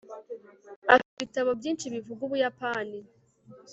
afite ibitabo byinshi bivuga ubuyapani